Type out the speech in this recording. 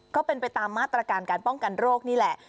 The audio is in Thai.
ก็เป็นไปตามมาตรการการป้องกันโรคนี่แหละ